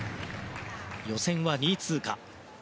予選は２位通過。